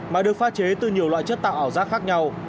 mà được pha chế từ nhiều loại chất tạo ảo giác khác nhau